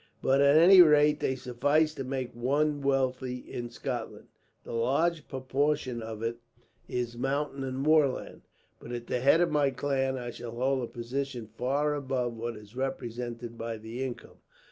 But at any rate, they suffice to make one wealthy in Scotland. The large proportion of it is mountain and moorland; but as the head of my clan, I shall hold a position far above what is represented by the income.